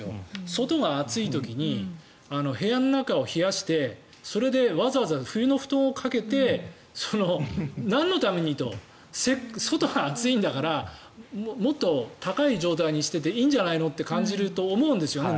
外が暑い時に部屋の中を冷やしてそれでわざわざ冬の布団をかけてなんのためにと外が暑いんだからもっと高い状態にしてていいんじゃないの？と感じると思うんですよね。